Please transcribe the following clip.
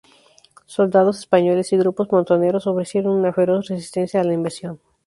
Soldados españoles y grupos montoneros ofrecieron una feroz resistencia a la invasión.